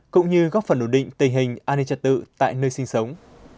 cũng như góp phần ổn định tình hình an ninh trật tự tại nơi sinh sống